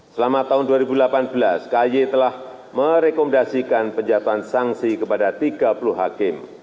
selama tahun dua ribu delapan belas ky telah merekomendasikan penjatuhan sanksi kepada tiga puluh hakim